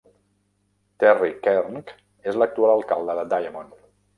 Terry Kernc és l'actual alcalde de Diamond.